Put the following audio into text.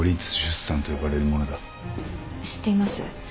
知っています。